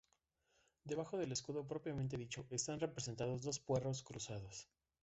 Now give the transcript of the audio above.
Debajo del escudo propiamente dicho están representados dos puerros cruzados.